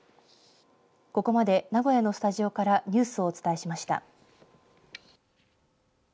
ここまで名古屋のスタジオからニュースをお伝えしました。